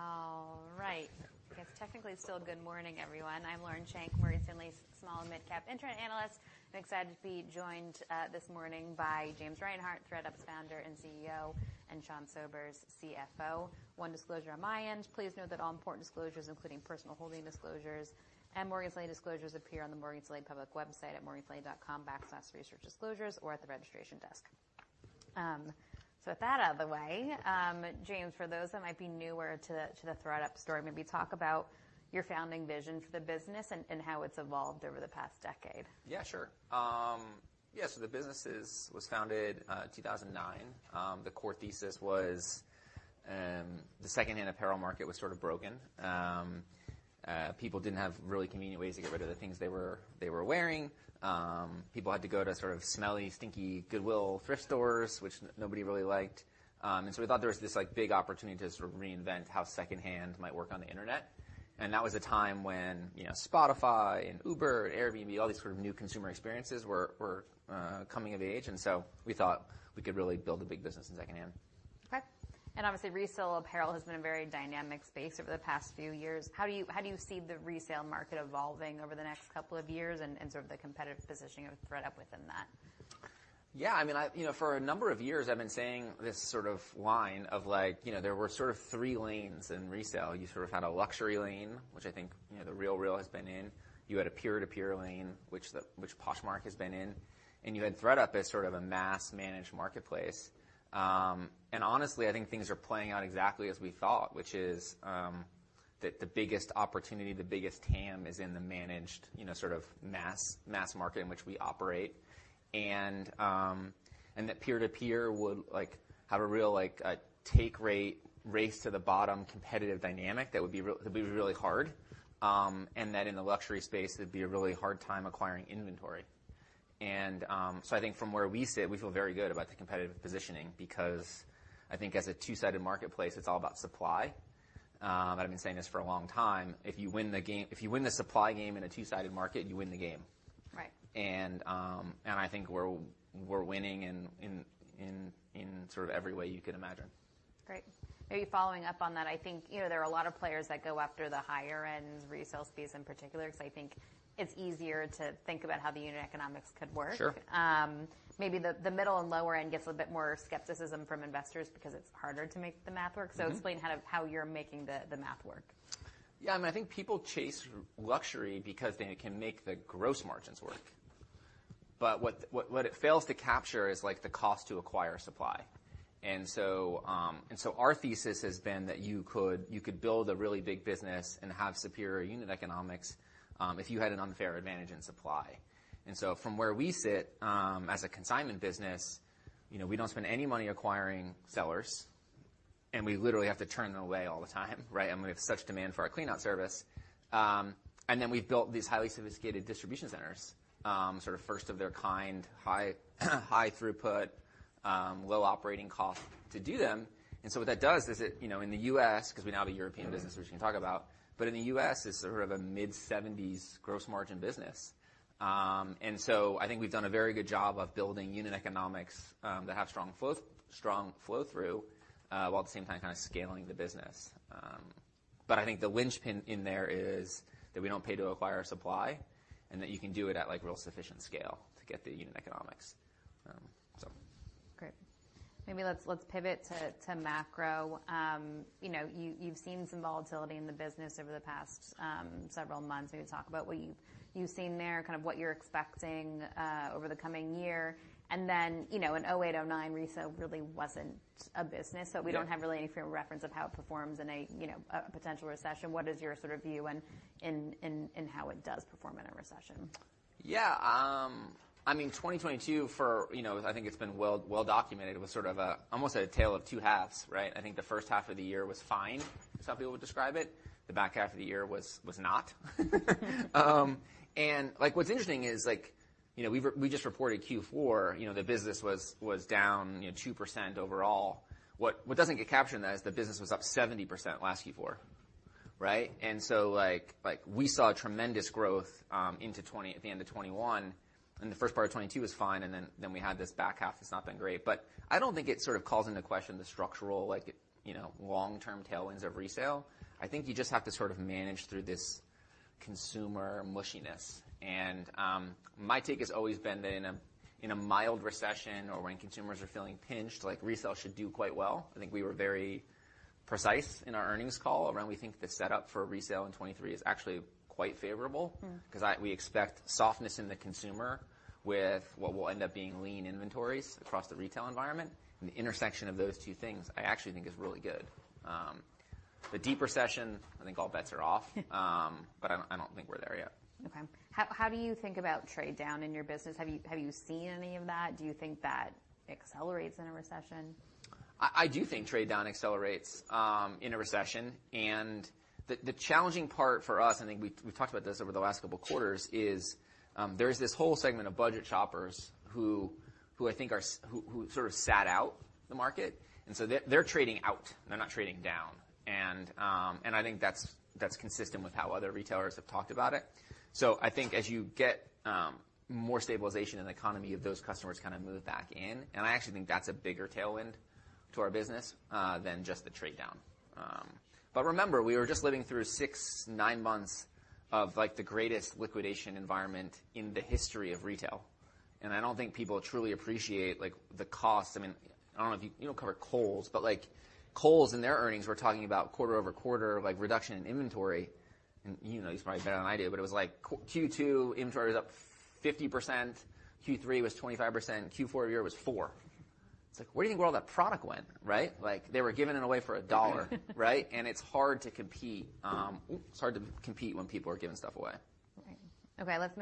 All right. I guess technically it's still good morning, everyone. I'm Lauren Schenk, Morgan Stanley small and mid-cap internet analyst. Excited to be joined this morning by James Reinhart, thredUP's founder and CEO, and Sean Sobers, CFO. One disclosure on my end. Please note that all important disclosures, including personal holding disclosures and Morgan Stanley disclosures appear on the Morgan Stanley public website at morganstanley.com\researchdisclosures or at the registration desk. With that out of the way, James, for those that might be newer to the, to the thredUP story, maybe talk about your founding vision for the business and how it's evolved over the past decade. Yeah, sure. Yeah, the business was founded 2009. The core thesis was the second-hand apparel market was sort of broken. People didn't have really convenient ways to get rid of the things they were wearing. People had to go to sort of smelly, stinky Goodwill thrift stores, which nobody really liked. We thought there was this, like, big opportunity to sort of reinvent how second hand might work on the Internet. That was a time when, you know, Spotify and Uber, Airbnb, all these sort of new consumer experiences were coming of age, and so we thought we could really build a big business in secondhand. Okay. Obviously resale apparel has been a very dynamic space over the past few years. How do you see the resale market evolving over the next couple of years and sort of the competitive positioning of thredUP within that? Yeah, I mean, you know, for a number of years I've been saying this sort of line of, like, you know, there were sort of three lanes in resale. You sort of had a luxury lane, which I think, you know, The RealReal has been in. You had a peer-to-peer lane, which Poshmark has been in, and you had thredUP as sort of a mass managed marketplace. Honestly, I think things are playing out exactly as we thought, which is that the biggest opportunity, the biggest TAM is in the managed, you know, sort of mass market in which we operate. That peer-to-peer would, like, have a real, like, take rate, race to the bottom competitive dynamic that would be real, that'd be really hard. That in the luxury space, it'd be a really hard time acquiring inventory. I think from where we sit, we feel very good about the competitive positioning because I think as a two-sided marketplace, it's all about supply. I've been saying this for a long time, if you win the supply game in a two-sided market, you win the game. Right. I think we're winning in sort of every way you could imagine. Great. Maybe following up on that, I think, you know, there are a lot of players that go after the higher-end resale space in particular, 'cause I think it's easier to think about how the unit economics could work. Sure. Maybe the middle and lower end gets a bit more skepticism from investors because it's harder to make the math work. Mm-hmm. Explain kind of how you're making the math work. Yeah, I mean, I think people chase luxury because they can make the gross margins work. But what it fails to capture is, like, the cost to acquire supply. Our thesis has been that you could build a really big business and have superior unit economics if you had an unfair advantage in supply. From where we sit, as a consignment business, you know, we don't spend any money acquiring sellers, and we literally have to turn them away all the time, right? I mean, we have such demand for our cleanout service. We've built these highly sophisticated distribution centers, sort of first of their kind, high throughput, low operating cost to do them. What that does is it, you know, in the U.S., 'cause we now have a European business which we can talk about, but in the U.S. it's sort of a mid-70s gross margin business. I think we've done a very good job of building unit economics that have strong flow through while at the same time kind of scaling the business. I think the linchpin in there is that we don't pay to acquire supply and that you can do it at, like, real sufficient scale to get the unit economics. Great. Maybe let's pivot to macro. you know, you've seen some volatility in the business over the past several months. Maybe talk about what you've seen there, kind of what you're expecting over the coming year. Then, you know, in 2008, 2009, resale really wasn't a business. Yeah. We don't have really any frame of reference of how it performs in a, you know, a potential recession. What is your sort of view in how it does perform in a recession? Yeah. I mean, 2022 for, you know, I think it's been well documented, it was sort of almost a tale of two halves, right? I think the first half of the year was fine, some people would describe it. The back half of the year was not. Like, what's interesting is, like, you know, we just reported Q4. You know, the business was down, you know, 2% overall. What doesn't get captured in that is the business was up 70% last Q4, right? Like, we saw tremendous growth into 2020, at the end of 2021, and the first part of 2022 was fine, and then we had this back half that's not been great. I don't think it sort of calls into question the structural, like, you know, long-term tailwinds of resale. I think you just have to sort of manage through this consumer mushiness. My take has always been that in a mild recession or when consumers are feeling pinched, like, resale should do quite well. I think we were very precise in our earnings call around we think the setup for resale in 2023 is actually quite favorable. Mm-hmm. Cause we expect softness in the consumer with what will end up being lean inventories across the retail environment, the intersection of those two things I actually think is really good. The deep recession, I think all bets are off. I don't think we're there yet. Okay. How do you think about trade down in your business? Have you seen any of that? Do you think that accelerates in a recession? I do think trade down accelerates in a recession. The challenging part for us, I think we've talked about this over the last couple quarters, is there's this whole segment of budget shoppers who I think are who sort of sat out the market, so they're trading out and they're not trading down. I think that's consistent with how other retailers have talked about it. I think as you get more stabilization in the economy of those customers kind of move back in, and I actually think that's a bigger tailwind to our business than just the trade-down. Remember, we were just living through 6, 9 months of, like, the greatest liquidation environment in the history of retail, and I don't think people truly appreciate, like, the cost. I mean, I don't know if you don't cover Kohl's, like, Kohl's in their earnings were talking about quarter-over-quarter, like, reduction in inventory. You know this probably better than I do, it was like Q2, inventory was up 50%, Q3 was 25%, Q4 year was 4. It's like, where do you think all that product went, right? Like, they were giving it away for $1. Right? It's hard to compete, Oops, it's hard to compete when people are giving stuff away. Right. Okay, let's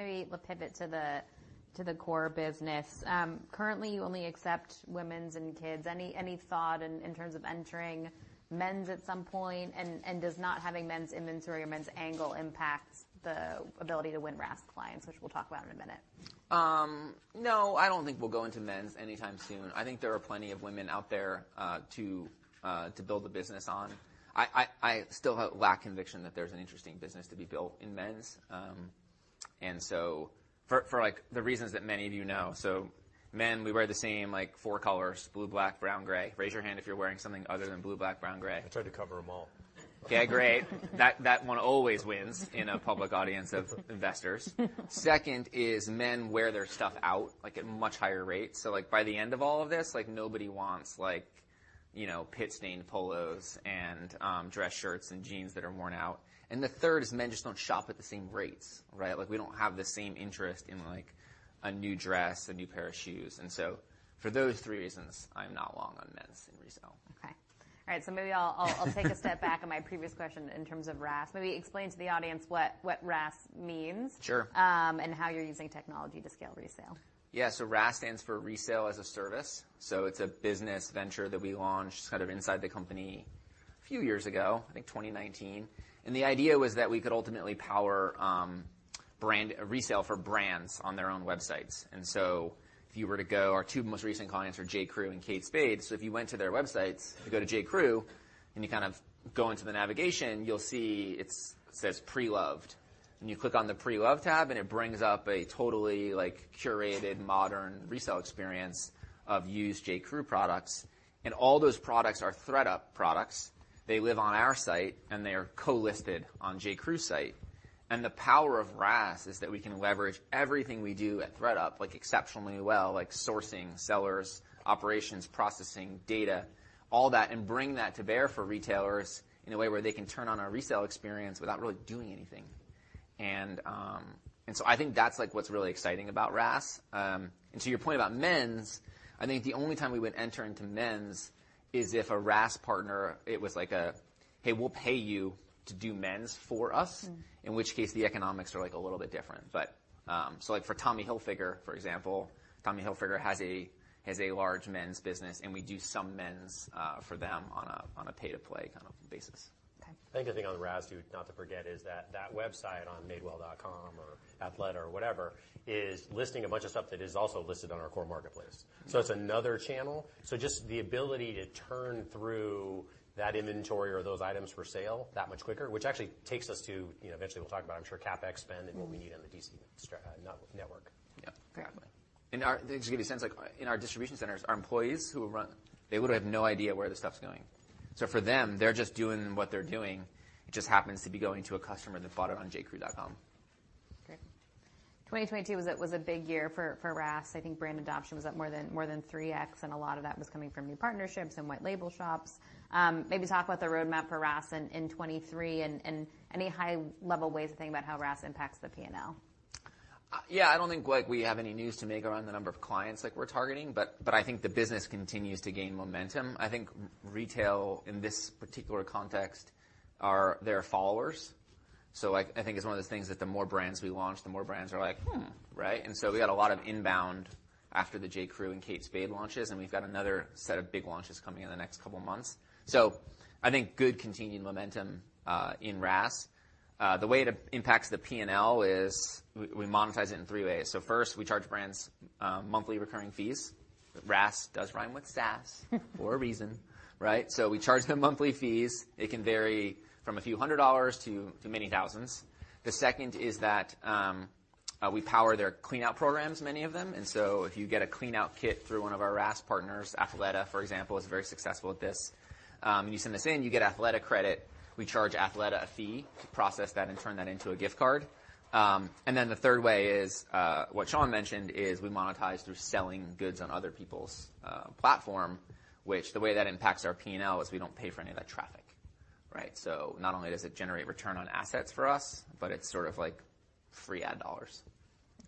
pivot to the core business. Currently, you only accept women's and kids'. Any thought in terms of entering men's at some point? Does not having men's inventory or men's angle impact the ability to win RaaS clients, which we'll talk about in a minute? No, I don't think we'll go into men's anytime soon. I think there are plenty of women out there, to build a business on. I still lack conviction that there's an interesting business to be built in men's. For, for, like, the reasons that many of you know. Men, we wear the same, like, four colors: blue, black, brown, gray. Raise your hand if you're wearing something other than blue, black, brown, gray. I tried to cover them all. Okay, great. That one always wins in a public audience of investors. Second is men wear their stuff out, like, at much higher rates. Like, by the end of all of this, like, nobody wants, like, you know, pit-stained polos and dress shirts and jeans that are worn out. The third is men just don't shop at the same rates, right? Like, we don't have the same interest in, like, a new dress, a new pair of shoes. For those three reasons, I'm not long on men's in resell. Okay. All right, maybe I'll take a step back on my previous question in terms of RaaS. Maybe explain to the audience what RaaS means. Sure. How you're using technology to scale resale. Yeah, RaaS stands for resale as a service. It's a business venture that we launched sort of inside the company a few years ago, I think 2019. The idea was that we could ultimately power brand resale for brands on their own websites. If you were to go, our two most recent clients are J.Crew and Kate Spade. If you went to their websites, if you go to J.Crew and you kind of go into the navigation, you'll see it says Pre-Loved. You click on the Pre-Loved tab, and it brings up a totally, like, curated, modern resale experience of used J.Crew products, and all those products are thredUP products. They live on our site, and they are co-listed on J.Crew's site. The power of RaaS is that we can leverage everything we do at thredUP, like, exceptionally well, like sourcing, sellers, operations, processing data, all that, and bring that to bear for retailers in a way where they can turn on our resale experience without really doing anything. I think that's, like, what's really exciting about RaaS. To your point about men's, I think the only time we would enter into men's is if a RaaS partner, it was like, "Hey, we'll pay you to do men's for us. Mm. In which case, the economics are, like, a little bit different. Like, for Tommy Hilfiger, for example, Tommy Hilfiger has a large men's business, and we do some men's for them on a pay-to-play kind of basis. Okay. I think the thing on RaaS too not to forget is that that website on madewell.com or Athleta or whatever is listing a bunch of stuff that is also listed on our core marketplace. Mm-hmm. It's another channel. Just the ability to turn through that inventory or those items for sale that much quicker, which actually takes us to, you know, eventually we'll talk about, I'm sure, CapEx spend and what we need on the DC network. Yeah. Okay. Just to give you a sense, like, in our distribution centers, our employees who run, they literally have no idea where this stuff's going. For them, they're just doing what they're doing. It just happens to be going to a customer that bought it on jcrew.com. Okay. 2022 was a big year for RaaS. I think brand adoption was up more than 3x, a lot of that was coming from new partnerships and white label shops. Maybe talk about the roadmap for RaaS in 2023 and any high-level ways to think about how RaaS impacts the P&L. Yeah, I don't think, like, we have any news to make around the number of clients, like, we're targeting, but I think the business continues to gain momentum. I think retail, in this particular context, are, they're followers. Like, I think it's one of those things that the more brands we launch, the more brands are like, "Hmm," right? We got a lot of inbound after the J.Crew and Kate Spade launches, and we've got another set of big launches coming in the next couple months. I think good continued momentum in RaaS. The way it impacts the P&L is we monetize it in three ways. First, we charge brands, monthly recurring fees. RaaS does rhyme with SaaS for a reason, right? We charge them monthly fees. It can vary from a few hundred dollars to many thousands. The second is that we power their clean-out programs, many of them. If you get a clean-out kit through one of our RaaS partners, Athleta, for example, is very successful at this. You send this in, you get Athleta credit. We charge Athleta a fee to process that and turn that into a gift card. The third way is what Sean mentioned, is we monetize through selling goods on other people's platform, which the way that impacts our P&L is we don't pay for any of that traffic, right? Not only does it generate return on assets for us, but it's sort of like free ad dollars.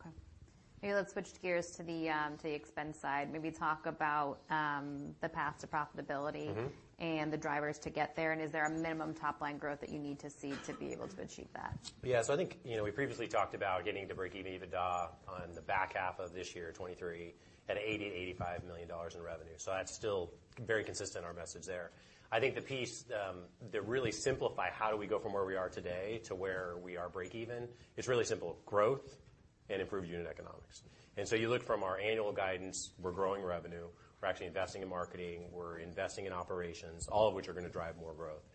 Okay. Maybe let's switch gears to the, to the expense side. Maybe talk about, the path to profitability. Mm-hmm. ... the drivers to get there, and is there a minimum top-line growth that you need to see to be able to achieve that? Yeah. I think, you know, we previously talked about getting to breakeven EBITDA on the back half of this year, 2023, at $80 million-$85 million in revenue. That's still very consistent, our message there. I think the piece that really simplify how do we go from where we are today to where we are breakeven, it's really simple: growth- Improve unit economics. You look from our annual guidance, we're growing revenue, we're actually investing in marketing, we're investing in operations, all of which are gonna drive more growth.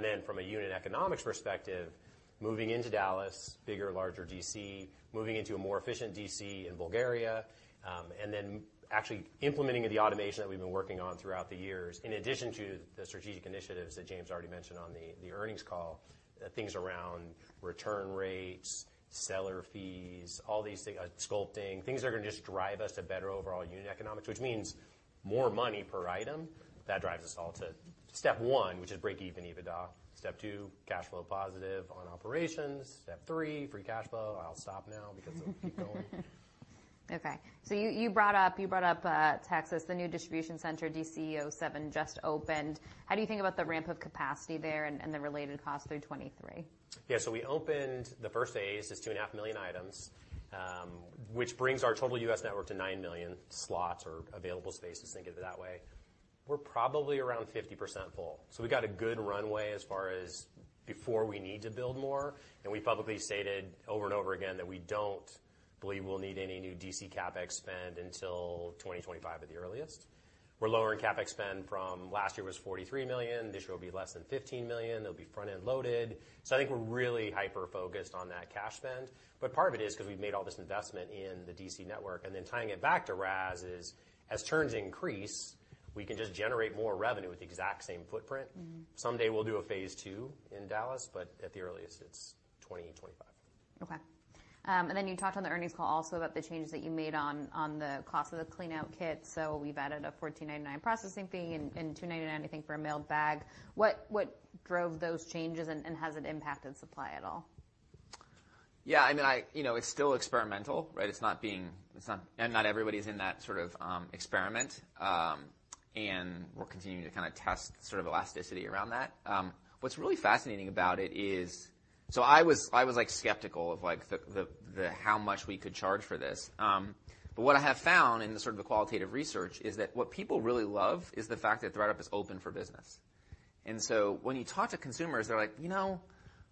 Then from a unit economics perspective, moving into Dallas, bigger, larger DC, moving into a more efficient DC in Bulgaria, and then actually implementing the automation that we've been working on throughout the years, in addition to the strategic initiatives that James already mentioned on the earnings call, things around return rates, seller fees, all these sculpting, things that are gonna just drive us to better overall unit economics, which means more money per item. That drives us all to Step one, which is break even EBITDA. Step two, cash flow positive on operations. Step three, free cash flow. I'll stop now because it'll keep going. Okay. You brought up Texas, the new distribution center, DC07, just opened. How do you think about the ramp of capacity there and the related cost through 2023? We opened the first phase, it's two and a half million items, which brings our total U.S. network to 9 million slots or available space, just think of it that way. We're probably around 50% full. We got a good runway as far as before we need to build more, and we publicly stated over and over again that we don't believe we'll need any new DC CapEx spend until 2025 at the earliest. We're lowering CapEx spend from last year was $43 million, this year will be less than $15 million. It'll be front-end loaded. I think we're really hyper-focused on that cash spend, but part of it is because we've made all this investment in the DC network. Tying it back to RaaS is, as turns increase, we can just generate more revenue with the exact same footprint. Mm-hmm. Someday we'll do a phase two in Dallas. At the earliest it's 2025. Okay. You talked on the earnings call also about the changes that you made on the cost of the cleanout kit. We've added a $14.99 processing fee and $2.99, I think, for a mailed bag. What drove those changes and has it impacted supply at all? Yeah, I mean, you know, it's still experimental, right? It's not... Not everybody's in that sort of experiment. We're continuing to kind of test sort of elasticity around that. What's really fascinating about it is... I was, like, skeptical of, like, the how much we could charge for this. What I have found in the sort of the qualitative research is that what people really love is the fact that thredUP is open for business. When you talk to consumers, they're like, "You know,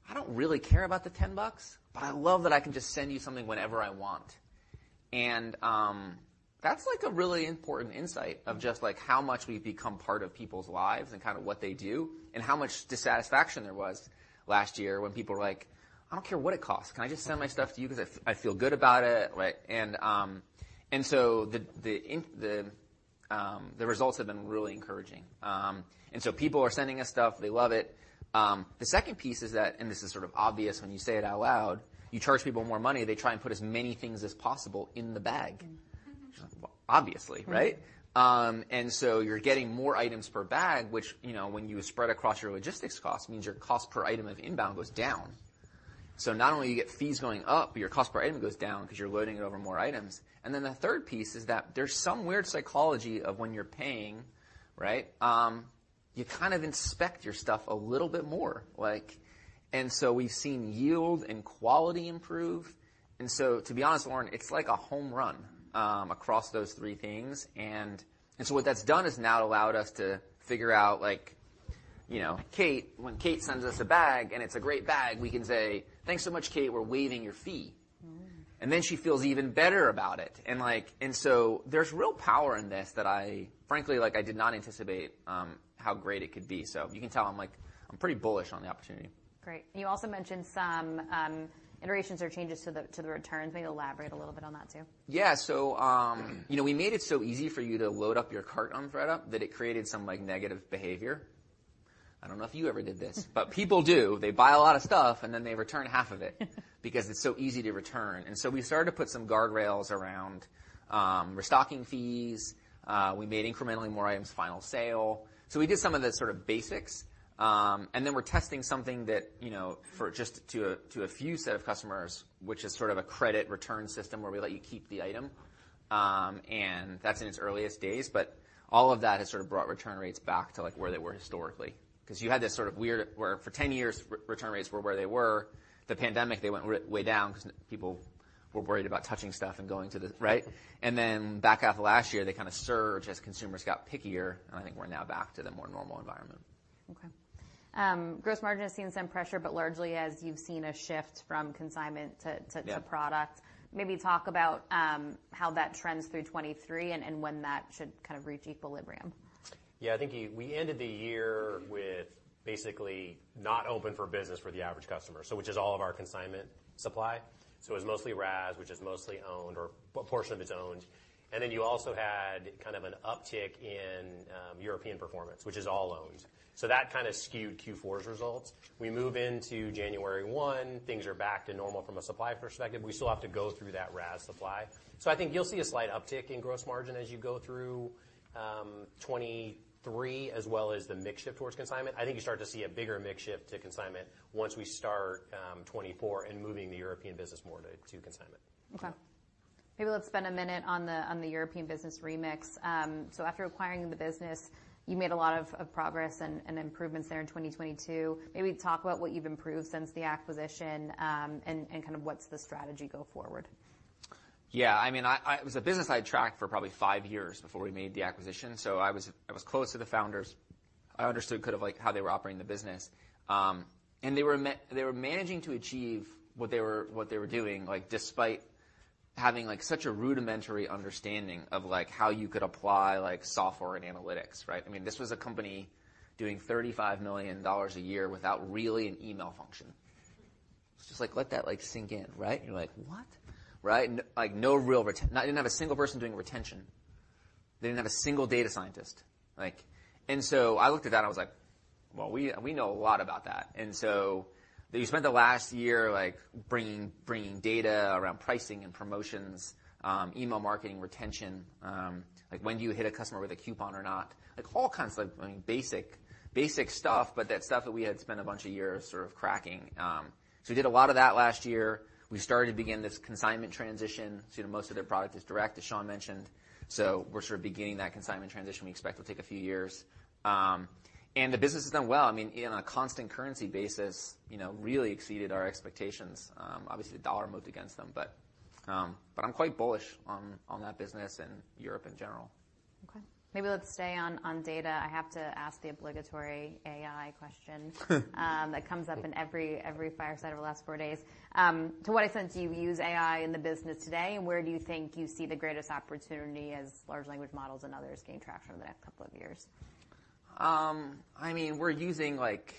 I don't really care about the $10 bucks, but I love that I can just send you something whenever I want." That's, like, a really important insight of just, like, how much we've become part of people's lives and kind of what they do and how much dissatisfaction there was last year when people were like, "I don't care what it costs. Can I just send my stuff to you? Because I feel good about it." Right? The results have been really encouraging. People are sending us stuff. They love it. The second piece is that, this is sort of obvious when you say it out loud, you charge people more money, they try and put as many things as possible in the bag. Obviously, right? You're getting more items per bag, which, you know, when you spread across your logistics costs, means your cost per item of inbound goes down. Not only you get fees going up, but your cost per item goes down because you're loading it over more items. The third piece is that there's some weird psychology of when you're paying, right, you kind of inspect your stuff a little bit more, like. We've seen yield and quality improve. To be honest, Lauren, it's like a home run, across those three things. What that's done is now it allowed us to figure out, like, you know, Kate, when Kate sends us a bag, and it's a great bag, we can say, "Thanks so much, Kate. We're waiving your fee. Mm. She feels even better about it. Like, there's real power in this that I, frankly, like, I did not anticipate, how great it could be. You can tell I'm, like, I'm pretty bullish on the opportunity. Great. You also mentioned some iterations or changes to the returns. Maybe elaborate a little bit on that too. Yeah. You know, we made it so easy for you to load up your cart on thredUP that it created some, like, negative behavior. I don't know if you ever did this. People do. They buy a lot of stuff, and then they return half of it because it's so easy to return. We started to put some guardrails around restocking fees. We made incrementally more items final sale. We did some of the sort of basics. We're testing something that, you know, for just to a few set of customers, which is sort of a credit return system where we let you keep the item. That's in its earliest days, but all of that has sort of brought return rates back to, like, where they were historically. Cause you had this sort of weird where for 10 years return rates were where they were. The pandemic, they went way down 'cause people were worried about touching stuff and going to the. Right? Then back half of last year, they kind of surged as consumers got pickier, and I think we're now back to the more normal environment. Gross margin has seen some pressure, but largely as you've seen a shift from consignment to product. Yeah. Maybe talk about, how that trends through 2023 and when that should kind of reach equilibrium. I think we ended the year with basically not open for business for the average customer, which is all of our consignment supply. It was mostly RaaS, which is mostly owned, or a portion of it's owned. You also had kind of an uptick in European performance, which is all owned. That kind of skewed Q4's results. We move into January 1, things are back to normal from a supply perspective. We still have to go through that RaaS supply. I think you'll see a slight uptick in gross margin as you go through 2023, as well as the mix shift towards consignment. I think you start to see a bigger mix shift to consignment once we start 2024 and moving the European business more to consignment. Okay. Maybe let's spend a minute on the, on the European business Remix. After acquiring the business, you made a lot of progress and improvements there in 2022. Maybe talk about what you've improved since the acquisition, and kind of what's the strategy go forward. Yeah, I mean, it was a business I tracked for probably five years before we made the acquisition, so I was close to the founders. I understood kind of like how they were operating the business. They were managing to achieve what they were doing, like, despite having, like, such a rudimentary understanding of, like, how you could apply, like, software and analytics, right? I mean, this was a company doing $35 million a year without really an email function. Just, like, let that, like, sink in, right? You're like, "What?" Right? They didn't have a single person doing retention. They didn't have a single data scientist. I looked at that, and I was like, "Well, we know a lot about that." We spent the last year bringing data around pricing and promotions, email marketing, retention, when do you hit a customer with a coupon or not? All kinds of, I mean, basic stuff, but that stuff that we had spent a bunch of years sort of cracking. We did a lot of that last year. We started to begin this consignment transition. You know, most of their product is direct, as Sean mentioned. We're sort of beginning that consignment transition. We expect it'll take a few years. The business has done well. I mean, in a constant currency basis, you know, really exceeded our expectations. obviously, the dollar moved against them, but I'm quite bullish on that business and Europe in general. Okay. Maybe let's stay on data. I have to ask the obligatory AI question that comes up in every fireside over the last four days. To what extent do you use AI in the business today, and where do you think you see the greatest opportunity as large language models and others gain traction over the next couple of years? I mean, we're using, like,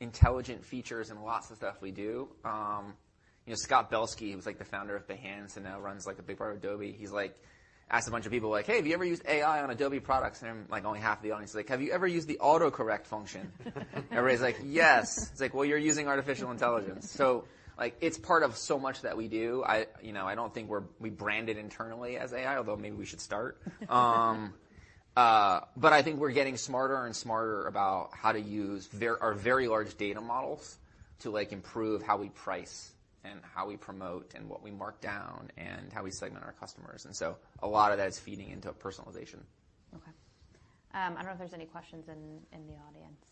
intelligent features in lots of stuff we do. You know, Scott Belsky, who was, like, the founder of Behance and now runs, like, a big part of Adobe, he's like, asked a bunch of people, like, "Hey, have you ever used AI on Adobe products?" Like, only half of the audience, like, "Have you ever used the autocorrect function?" Everybody's like, "Yes." He's like, "Well, you're using artificial intelligence." Like, it's part of so much that we do. I, you know, I don't think we brand it internally as AI, although maybe we should start. I think we're getting smarter and smarter about how to use our very large data models to, like, improve how we price and how we promote and what we mark down and how we segment our customers. A lot of that is feeding into personalization. Okay. I don't know if there's any questions in the audience.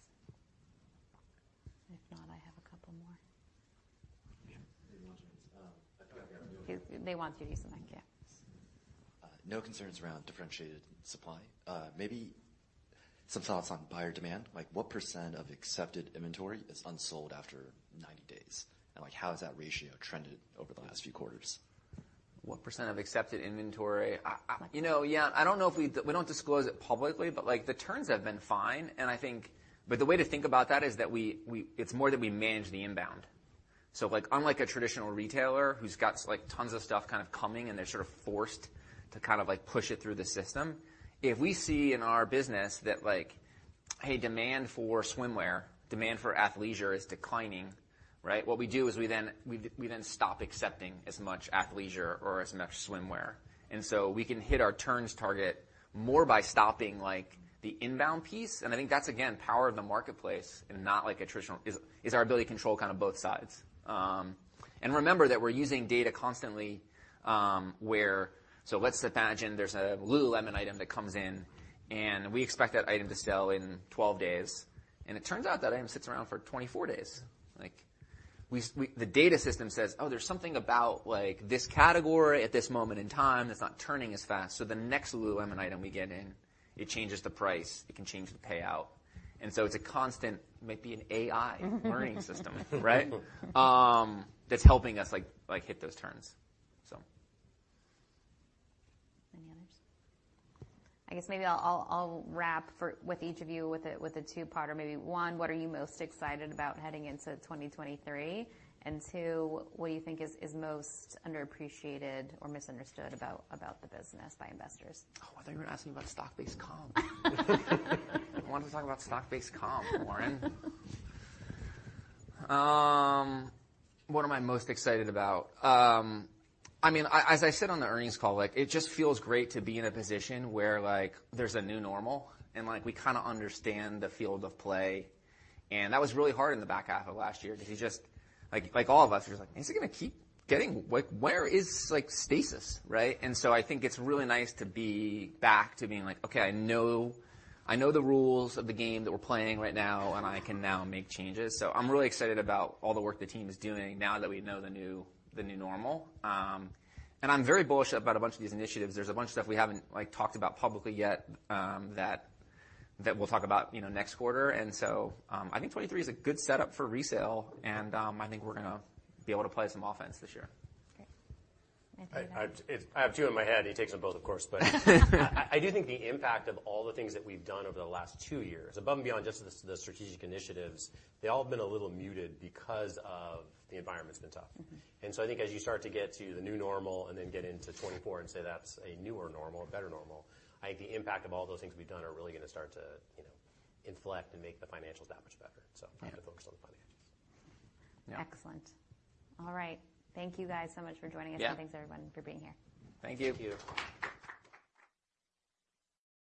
If not, I have a couple more. They want you to use the mic, yeah. No concerns around differentiated supply. Maybe some thoughts on buyer demand. Like, what % of accepted inventory is unsold after 90 days? Like, how has that ratio trended over the last few quarters? What percent of accepted inventory? I you know, yeah, I don't know if we don't disclose it publicly, but, like, the turns have been fine, and I think. The way to think about that is that we, it's more that we manage the inbound. Like, unlike a traditional retailer who's got like, tons of stuff kind of coming, and they're sort of forced to kind of, like, push it through the system, if we see in our business that, like, hey, demand for swimwear, demand for athleisure is declining, right? What we do is we then stop accepting as much athleisure or as much swimwear. We can hit our turns target more by stopping, like, the inbound piece, and I think that's, again, power of the marketplace and not, like, a traditional. Is our ability to control kind of both sides. Remember that we're using data constantly, where... Let's imagine there's a lululemon item that comes in, and we expect that item to sell in 12 days, and it turns out that item sits around for 24 days. Like, the data system says, "Oh, there's something about, like, this category at this moment in time that's not turning as fast." The next lululemon item we get in, it changes the price. It can change the payout. It's a constant, might be an AI learning system, right? That's helping us, like, hit those turns, so... Any others? I guess maybe I'll wrap with each of you with a two-parter maybe. One, what are you most excited about heading into 2023? Two, what you think is most underappreciated or misunderstood about the business by investors? Oh, I thought you were gonna ask me about stock-based comp. I wanted to talk about stock-based comp, Lauren. What am I most excited about? I mean, as I said on the earnings call, like, it just feels great to be in a position where, like, there's a new normal, and, like, we kinda understand the field of play, and that was really hard in the back half of last year because you just... Like all of us, you're just like, "Is it gonna keep getting where is, like, stasis?" Right? I think it's really nice to be back to being like, "Okay, I know the rules of the game that we're playing right now, and I can now make changes." I'm really excited about all the work the team is doing now that we know the new normal. I'm very bullish about a bunch of these initiatives. There's a bunch of stuff we haven't, like, talked about publicly yet, that we'll talk about, you know, next quarter. I think 2023 is a good setup for resale, and I think we're gonna be able to play some offense this year. Great. Anything to add? I have two in my head. He takes them both, of course. I do think the impact of all the things that we've done over the last two years, above and beyond just the strategic initiatives, they all have been a little muted because of the environment's been tough. Mm-hmm. I think as you start to get to the new normal and then get into 2024 and say that's a newer normal, a better normal, I think the impact of all those things we've done are really gonna start to, you know, inflect and make the financials that much better. I'm gonna focus on the financials. Yeah. Excellent. All right. Thank you guys so much for joining us. Yeah. thanks everyone for being here. Thank you. Thank you.